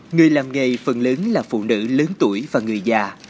người làm nghề phần lớn là phụ nữ lớn tuổi và người già